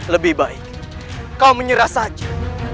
lebih baik kau menyerah saja